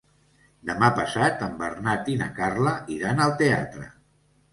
Demà passat en Bernat i na Carla iran al teatre.